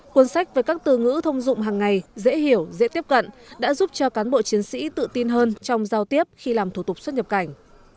cuốn sách với các từ ngữ thông dụng hàng ngày dễ hiểu dễ tiếp cận đã giúp cho cán bộ chiến sĩ tự tin hơn trong giao tiếp khi làm thủ tục xuất nhập cảnh